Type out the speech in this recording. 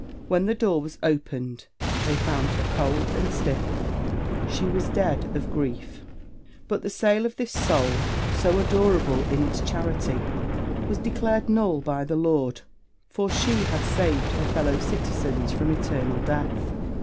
When the door was opened, they found her cold and stiff; she was dead of grief. But the sale of this soul, so adorable in its charity, was declared null by the Lord; for she had saved her fellow citizens from eternal death.